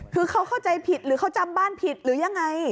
คือเขาเข้าใจผิดหรือเขาจำบ้านผิดหรือยังไง